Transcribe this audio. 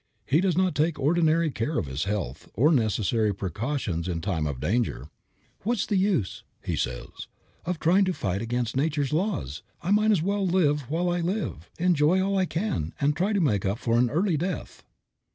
He does not take ordinary care of his health, or necessary precautions in time of danger. "What is the use," he says, "of trying to fight against Nature's laws? I might as well live while I live, and enjoy all I can, and try to make up for an early death."